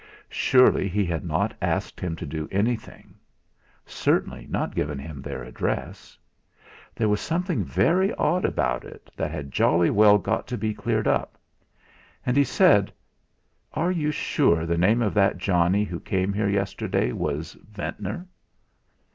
Surely he had not asked him to do anything; certainly not given him their address. There was something very odd about it that had jolly well got to be cleared up! And he said: "Are you sure the name of that Johnny who came here yesterday was Ventnor?"